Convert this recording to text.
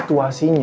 aku mau pergi